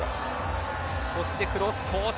そしてクロスコース